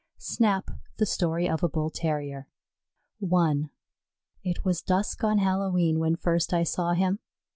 SNAP THE STORY OF A BULL TERRIER I It was dusk on Hallowe'en when first I saw him.